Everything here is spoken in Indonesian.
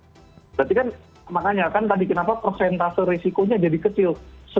berarti kan makanya kan tadi kenapa prosentase risikonya jadi kecil